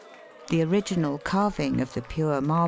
The original carving of the pure marble, VOL.